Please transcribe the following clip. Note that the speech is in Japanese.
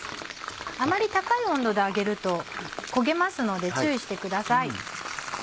あまり高い温度で揚げると焦げますので注意してください。